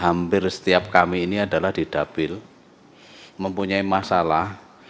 hampir setiap kami ini adalah di dapil mempunyai masalah